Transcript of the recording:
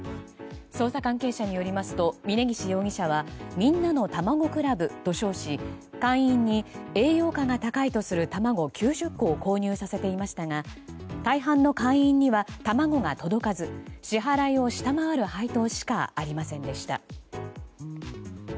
捜査関係者によりますと峯岸容疑者はみんなのたまご倶楽部と称し会員に栄養価が高いとする卵９０個を購入させていましたが大半の会員には卵が届かず支払いを下回る配当しかありませんでした。